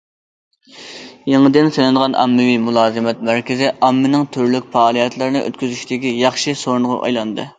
يېڭىدىن سېلىنغان ئاممىۋى مۇلازىمەت مەركىزى ئاممىنىڭ تۈرلۈك پائالىيەتلەرنى ئۆتكۈزۈشىدىكى ياخشى سورۇنغا ئايلاندى.